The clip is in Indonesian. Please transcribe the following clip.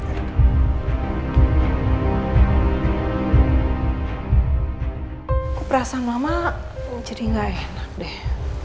aku perasaan mama jadi gak enak deh